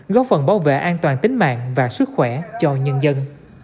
góp phần bảo vệ an toàn tính mạng và sức khỏe cho nhân dân